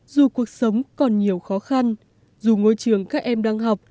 dù cuộc sống còn nhiều khó khăn dù ngôi trường các em đang học